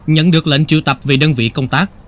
nhận được lệnh triệu tập về đơn vị công tác